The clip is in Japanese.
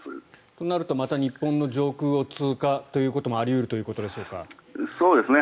となるとまた日本の上空を通過ということもあり得るということでしょうか？